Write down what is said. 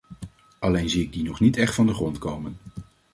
Alleen zie ik die nog niet echt van de grond komen.